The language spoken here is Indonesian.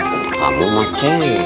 kamu mah ceng